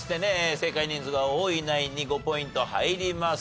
正解人数が多いナインに５ポイント入ります。